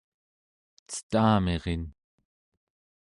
Cetamirin